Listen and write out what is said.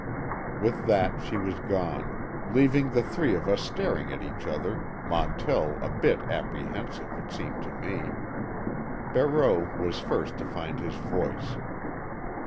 With that she was gone, leaving the three of us staring at each other, Montell a bit apprehensive, it seemed to me. Barreau was first to find his voice.